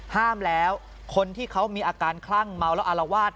ห้ามแล้วคนที่เขามีอาการคลั่งเมาแล้วอารวาส